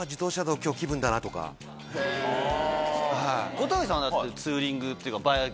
小峠さんだってツーリングっていうかバイク。